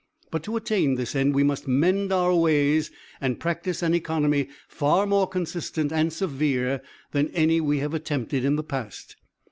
But to attain this end we must mend our ways, and practice an economy far more consistent and severe than any we have attempted in the past.